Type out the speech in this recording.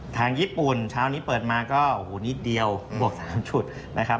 ทางญี่ปุ่นเช้านี้เปิดมาก็โอ้โหนิดเดียวบวก๓จุดนะครับ